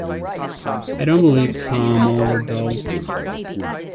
I don't believe Tom overdosed.